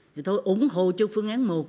thì thôi ủng hộ cho phương án một